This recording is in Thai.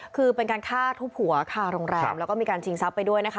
คือเป็นการฆ่าทุบหัวค่ะโรงแรมแล้วก็มีการชิงทรัพย์ไปด้วยนะคะ